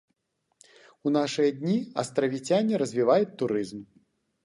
У нашы дні астравіцяне развіваюць турызм.